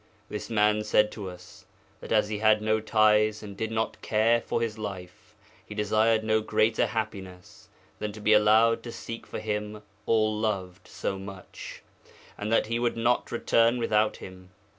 This man said to us that as he had no ties and did not care for his life, he desired no greater happiness than to be allowed to seek for him all loved so much, and that he would not return without him.